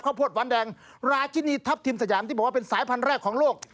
โพดหวานแดงราชินีทัพทิมสยามที่บอกว่าเป็นสายพันธุ์แรกของโลก